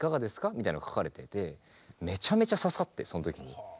みたいなのが書かれててめちゃめちゃ刺さってその時に。